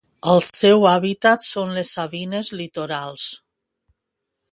El seu hàbitat són les sabines litorals.